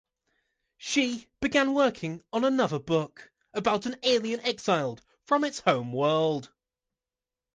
She began working on another book about an alien exiled from its home world.